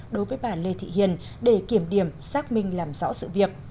đối với bà lê thị hiền để kiểm điểm xác minh làm rõ sự việc